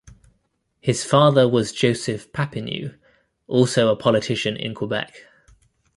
His father was Joseph Papineau, also a politician in Quebec.